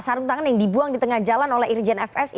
sarung tangan yang dibuang di tengah jalan oleh irjen fsi